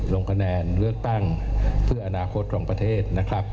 ลงคะแนนเลือกตั้งเพื่ออนาคตของประเทศนะครับ